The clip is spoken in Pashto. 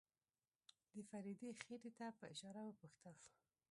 د فريدې خېټې ته په اشاره وپوښتل.